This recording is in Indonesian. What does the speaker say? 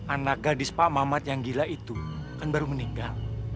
anak gadis pak mamat yang gila itu kan baru meninggal